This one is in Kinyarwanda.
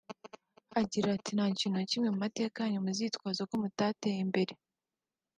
Agira ati “Nta kintu na kimwe mu mateka yanyu muzitwaza ko mutateye imbere